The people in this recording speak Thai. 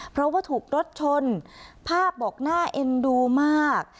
เพราะว่าถูกรถชนภาพบอกน่าเอ็นดูมาก